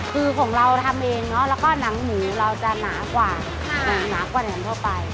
คือของเราทำเองเนาะแล้วก็หนังหมูเราจะหนากว่าแหน่มทั่วไป